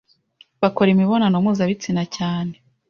bakora imibonano mpuzabitsina cyane